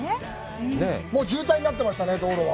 もう渋滞になってましたね、道路は。